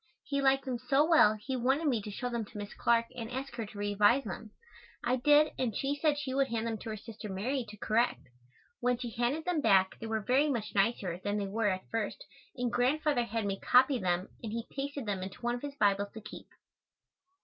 He liked them so well he wanted me to show them to Miss Clark and ask her to revise them. I did and she said she would hand them to her sister Mary to correct. When she handed them back they were very much nicer than they were at first and Grandfather had me copy them and he pasted them into one of his Bibles to keep.